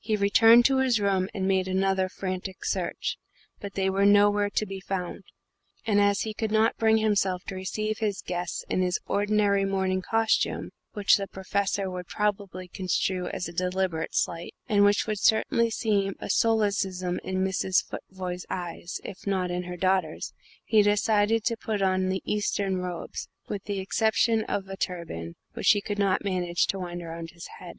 He returned to his room and made another frantic search but they were nowhere to be found; and as he could not bring himself to receive his guests in his ordinary morning costume which the Professor would probably construe as a deliberate slight, and which would certainly seem a solecism in Mrs. Futvoye's eyes, if not in her daughter's he decided to put on the Eastern robes, with the exception of a turban, which he could not manage to wind round his head.